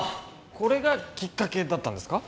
これがきっかけだったんですか？